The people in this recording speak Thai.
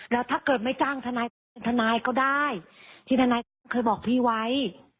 แล้วถ้าเกิดไม่จ้างธนายทรัพย์ก็ได้ที่อาจารย์เคยบอกพี่ไว้